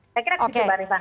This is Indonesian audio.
saya kira begitu pak ribang